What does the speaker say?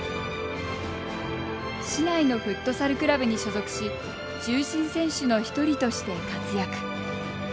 市内のフットサルクラブに所属し中心選手の一人として活躍。